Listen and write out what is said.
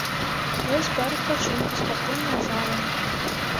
Ёсць парк адпачынку, спартыўная зала.